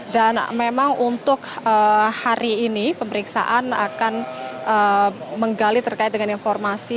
dan memang untuk hari ini pemeriksaan akan menggali terkait dengan informasi